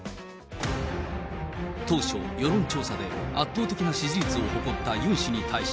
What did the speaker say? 当初、世論調査で圧倒的な支持率を誇ったユン氏に対し、